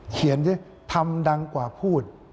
เขียนสิทำดังกว่าพูด